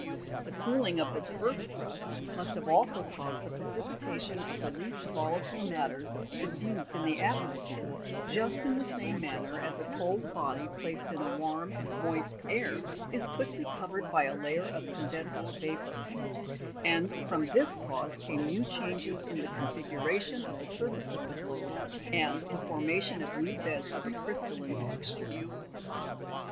The cooling of this first crust must have also caused the precipitation of the least volatile matters diffused in the atmo sphere, just in the same manner as a cold body placed in a warm moist air is quickly covered by a layer of condensed vapour ; and from this cause came new changes in the configuration of the sur face of the globe, and the formation of new beds of a crystalline texture.